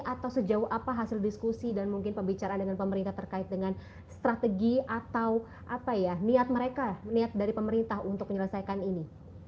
atau sejauh apa hasil diskusi dan mungkin pembicaraan dengan pemerintah terkait dengan strategi atau apa ya niat mereka niat dari pemerintah untuk menyelesaikan ini